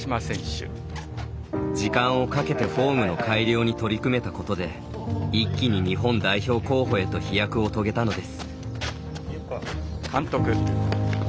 時間をかけてフォームの改良に取り組めたことで一気に日本代表候補へと飛躍を遂げたのです。